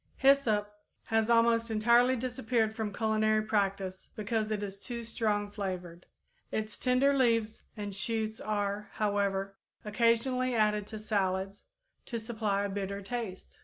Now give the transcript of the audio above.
_ Hyssop has almost entirely disappeared from culinary practice because it is too strong flavored. Its tender leaves and shoots are, however, occasionally added to salads, to supply a bitter taste.